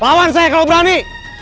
pawan saya kalau berani